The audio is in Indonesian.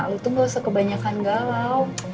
lu tuh gak usah kebanyakan galau